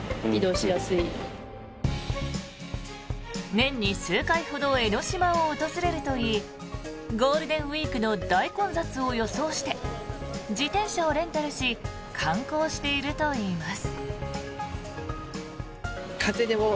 年に数回ほど江の島を訪れるといいゴールデンウィークの大混雑を予想して自転車をレンタルし観光しているといいます。